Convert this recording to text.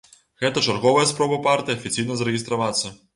Гэта чарговая спроба партыі афіцыйна зарэгістравацца.